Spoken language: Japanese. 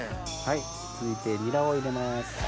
続いてニラを入れます。